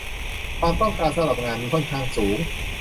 ความต้องการสำหรับงานนี้ค่อนข้างสูง